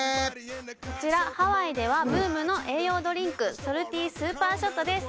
こちらハワイではブームの栄養ドリンクソルティースーパーショットです